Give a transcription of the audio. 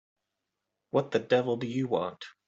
What the devil do you want?